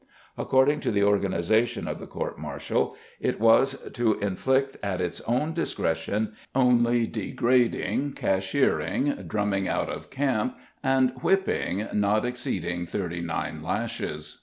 According to the organization of the court martial, it was to inflict at its own discretion only degrading, cashiering, drumming out of camp and whipping not exceeding thirty nine lashes.